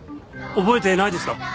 覚えてないですか？